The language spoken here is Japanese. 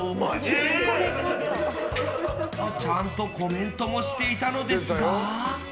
ちゃんとコメントもしていたのですが。